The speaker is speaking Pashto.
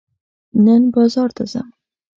نن بازار ته ځم.